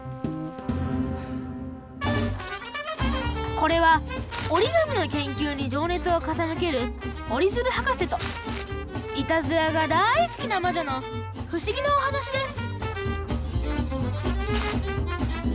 これは折り紙の研究に情熱を傾ける折鶴博士といたずらがだい好きな魔女の不思議なお話です